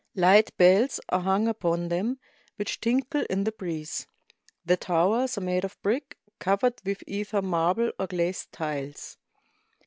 Light bells are hung upon them, which tinkle in the breeze. The towers are made of brick, covered with either marble or glazed tiles.